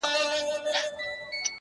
پوليس کور پلټي او سواهد راټولوي ډېر جدي،